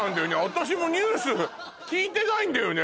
私もニュース聞いてないんだよね